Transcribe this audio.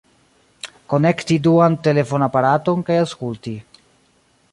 Konekti duan telefonaparaton kaj aŭskulti.